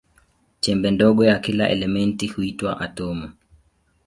Chembe ndogo ya kila elementi huitwa atomu.